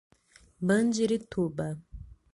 Mandirituba